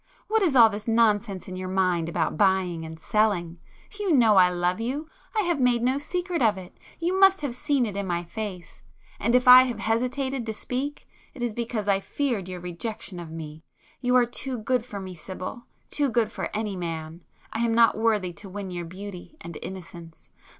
—what is all this nonsense in your mind about buying and selling? You know I love you,—I have made no secret of it,—you must have seen it in my face,—and if I have hesitated to speak, it is because I feared your rejection of me. You are too good for me, Sibyl,—too good for any man,—I am not worthy to win your beauty and innocence.